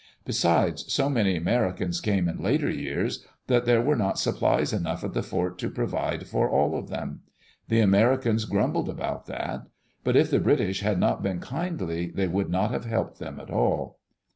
Be sides, so many Americans came in later years that there were not supplies enough at the fort to provide for all of them. The Americans grumbled about that. But if the British had not been kindly they would not have helped them at all.